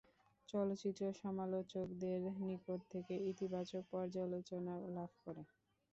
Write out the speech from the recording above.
চলচ্চিত্রটি সমালোচকদের নিকট থেকে ইতিবাচক পর্যালোচনা লাভ করে।